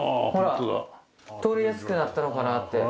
通りやすくなったのかなって。